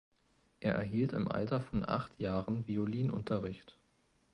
Er erhielt im Alter von acht Jahren Violinunterricht.